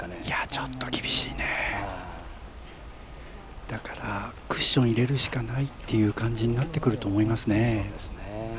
ちょっと厳しいね、だからクッション入れるしかないっていう感じになってくると思いますね。